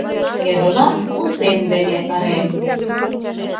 Эрла у сем дене ырем...